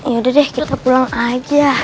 yaudah deh kita pulang aja